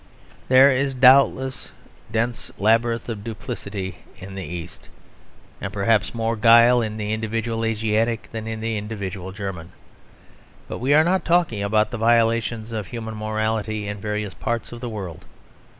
There is doubtless a dense labyrinth of duplicity in the East, and perhaps more guile in the individual Asiatic than in the individual German. But we are not talking of the violations of human morality in various parts of the world.